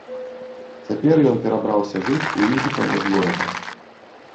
Цяпер ён перабраўся жыць у іншы канец горада.